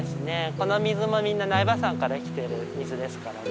この水もみんな苗場山から来てる水ですからね。